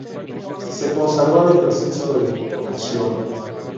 Se consagró al ejercicio de su profesión.